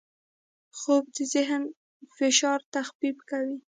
خوب د ذهن فشار تخفیف کوي